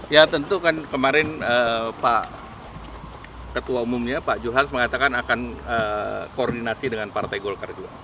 ya tentu kan kemarin pak ketua umumnya pak julhas mengatakan akan koordinasi dengan partai golkar juga